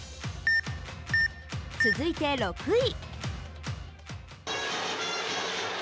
続いて６位。